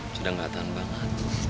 sudah gak tahan banget